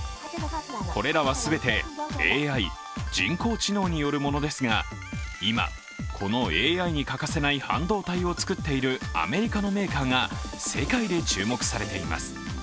これらは全てＡＩ＝人工知能によるものですが今、このＡＩに欠かせない半導体を作っているアメリカのメーカーが世界で注目されています。